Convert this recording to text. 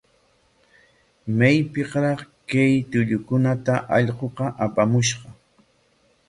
¿Maypikraq kay tullukunata allquqa apamushqa?